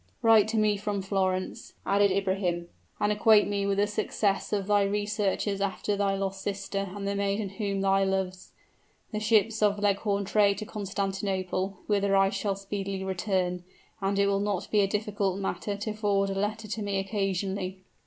"Write me from Florence," added Ibrahim, "and acquaint me with the success of thy researches after thy lost sister and the maiden whom thou lovest. The ships of Leghorn trade to Constantinople, whither I shall speedily return, and it will not be a difficult matter to forward a letter to me occasionally."